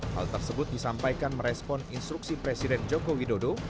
hal tersebut disampaikan merespon instruksi presiden joko widodo